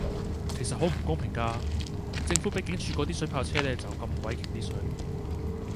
其實好唔公平架，政府比警署嗰啲水炮車呢就咁鬼勁啲水